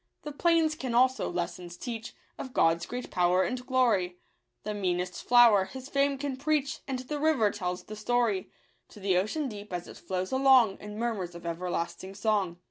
The plains can also lessons teach Of God's great power and glory ; The meanest flower His fame can preach ; And the river tells the story To the ocean deep, as it flows along, In murmurs of everlasting song.